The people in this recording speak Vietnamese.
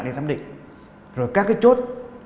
đi xám định rồi các cái chốt